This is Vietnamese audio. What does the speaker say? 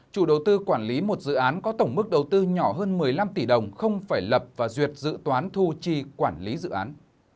chủ đầu tư quản lý một dự án có tổng mức đầu tư nhỏ hơn một mươi năm tỷ đồng không phải lập và duyệt dự toán thu chi quản lý dự án